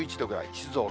静岡